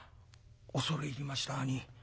「恐れ入りました兄ぃ。